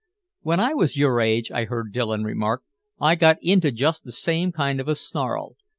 "When I was your age," I heard Dillon remark, "I got into just the same kind of a snarl."